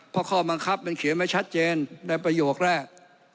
เพราะข้อบังคับมันเขียนไว้ชัดเจนในประโยคแรก